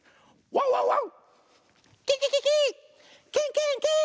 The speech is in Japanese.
ワンワンワン！